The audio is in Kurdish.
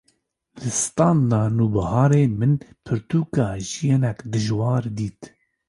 li standa Nûbiharê min pirtûka “Jiyanek Dijwar” dît